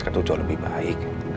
ketujuh lebih baik